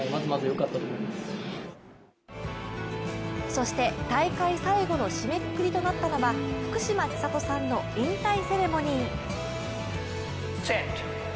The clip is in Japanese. そして、大会最後の締めくくりとなったのは福島千里さんの引退セレモニー。